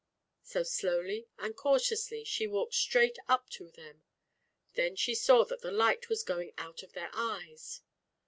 So slowly and cautiously she walked straight up to them. Then she saw that the light was going out of their eyes.